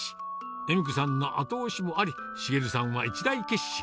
笑子さんの後押しもあり、繁さんは一大決心。